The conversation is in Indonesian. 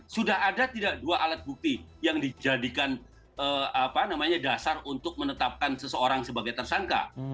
sudah ada tidak dua alat bukti yang dijadikan dasar untuk menetapkan seseorang sebagai tersangka